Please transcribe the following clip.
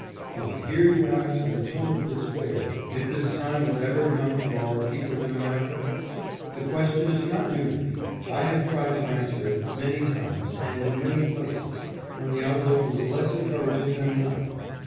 Do I hear you ask in a tone of despair if this time will ever come to our people in America? The question is not new to me. I have tried to answer it many times and in many places, when the outlook was less encouraging than now.